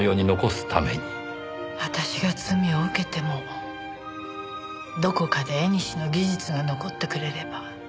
私が罪を受けてもどこかで縁の技術が残ってくれれば。